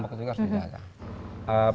persihan tampak juga harus dijaga